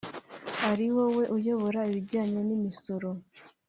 ari wowe uyobora ibijyanye n’imisoro